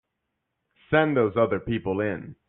Send those other people in.